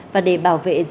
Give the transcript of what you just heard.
và để bảo vệ diện tích rừng